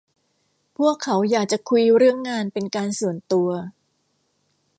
พวกเขาอยากจะคุยเรื่องงานเป็นการส่วนตัว